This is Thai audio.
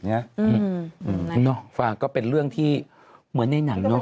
ในภาคเข้ามาเป็นเรื่องที่เหมือนอย่างในหนัง